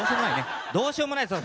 どうしようもないね。